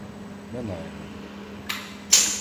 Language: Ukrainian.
Минаємо їх.